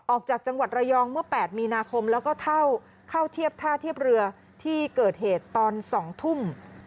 ออกจากจังหวัดระยองเมื่อ๘มีนาคมแล้วก็เข้าเทียบท่าเทียบเรือที่เกิดเหตุตอน๒ทุ่ม